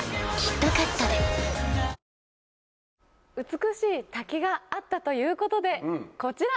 美しい滝があったということでこちら！